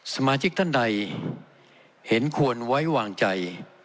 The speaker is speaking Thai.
สมาชิกท่านใดเห็นควรไว้วางใจ